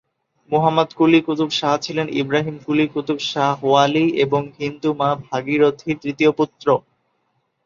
মুহাম্মদ কুলি কুতুব শাহ ছিলেন ইবরাহিম কুলি কুতুব শাহ ওয়ালি এবং হিন্দু মা ভাগীরথীর তৃতীয় পুত্র।